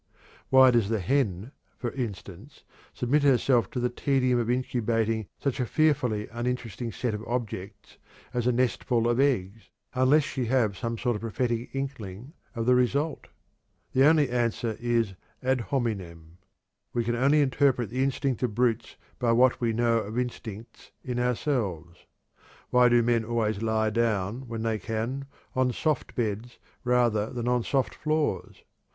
Why does the hen, for instance, submit herself to the tedium of incubating such a fearfully uninteresting set of objects as a nestful of eggs, unless she have some sort of prophetic inkling of the result? The only answer is ad hominem. We can only interpret the instinct of brutes by what we know of instincts in ourselves. Why do men always lie down, when they can, on soft beds rather than on soft floors?